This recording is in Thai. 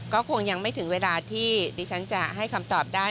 ก็คงยังไม่ถึงเวลาที่ดิฉันจะให้คำตอบได้